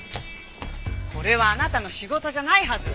これはあなたの仕事じゃないはず。